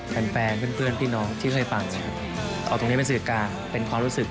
แฟนเพื่อนพี่น้องที่เคยฟังนะครับเอาตรงนี้ไปสื่อกลางเป็นความรู้สึก